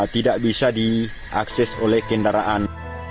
tidak bisa diakses oleh kendaraan